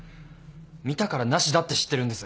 見たから無田って知ってるんです。